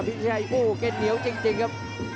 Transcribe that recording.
พี่ชัยโอ้โหเก็นเหนียวจริงจริงครับ